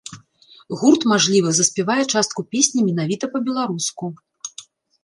Гурт, мажліва, заспявае частку песні менавіта па-беларуску.